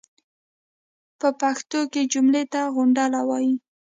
پۀ پښتو کې جملې ته غونډله وایي.